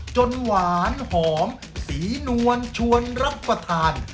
หวานหอมสีนวลชวนรับประทาน